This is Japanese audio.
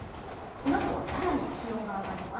このあとはさらに気温が上がります。